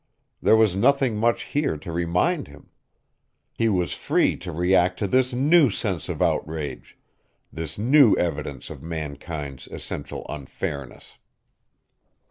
There was nothing much here to remind him. He was free to react to this new sense of outrage, this new evidence of mankind's essential unfairness.